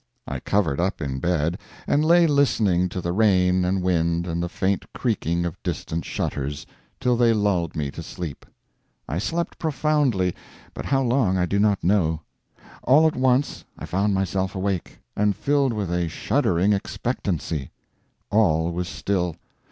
I covered up in bed, and lay listening to the rain and wind and the faint creaking of distant shutters, till they lulled me to sleep. I slept profoundly, but how long I do not know. All at once I found myself awake, and filled with a shuddering expectancy. All was still.